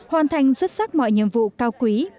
hoàn thành xuất sắc mọi nhiệm vụ cao quý